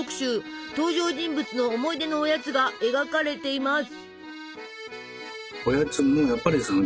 登場人物の思い出のおやつが描かれています。